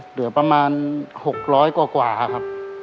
เหลือประมาณ๖๐๐กว่าครับ